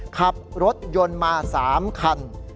ขับรถยนต์มา๓คัน